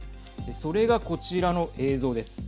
それが、こちらの映像です。